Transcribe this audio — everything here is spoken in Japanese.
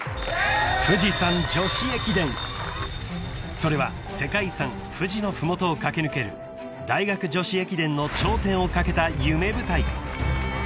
［それは世界遺産富士の麓を駆け抜ける大学女子駅伝の頂点を懸けた夢舞台］